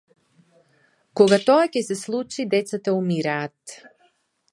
Кога тоа ќе се случи децата умираат.